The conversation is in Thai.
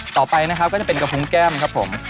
ต่อไปนะครับก็จะเป็นกระพุงแก้มครับผม